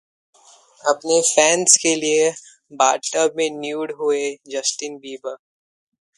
अपने फैन्स के लिए बाथ टब में न्यूड हुए जस्टिन बीबर!